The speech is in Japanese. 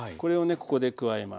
ここで加えます。